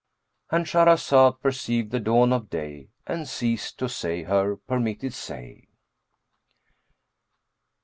"—And Shahrazad perceived the dawn of day and ceased to say her permitted say.